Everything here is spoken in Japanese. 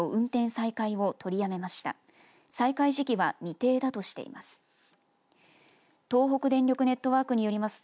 再開時期は未定だとしています。